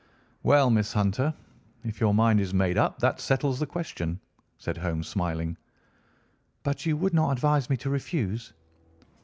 "Well, Miss Hunter, if your mind is made up, that settles the question," said Holmes, smiling. "But you would not advise me to refuse?"